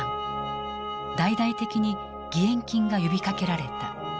大々的に義援金が呼びかけられた。